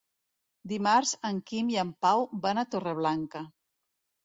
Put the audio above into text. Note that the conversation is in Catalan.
Dimarts en Quim i en Pau van a Torreblanca.